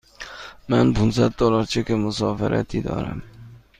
من پانصد دلار چک مسافرتی دارم.